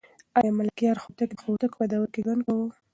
آیا ملکیار هوتک د هوتکو په دوره کې ژوند کاوه؟